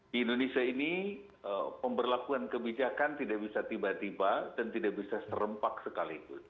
di indonesia ini pemberlakuan kebijakan tidak bisa tiba tiba dan tidak bisa serempak sekaligus